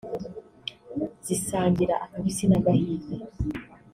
zisangira akabisi n’agahiye